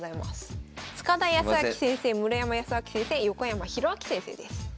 塚田泰明先生村山慈明先生横山泰明先生です。